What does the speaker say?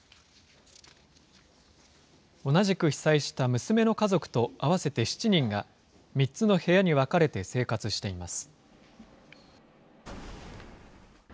同じく被災した娘の家族と合わせて７人が、３つの部屋に分かれて生活しています。